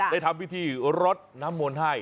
ทำพิธีรดน้ำมนต์ให้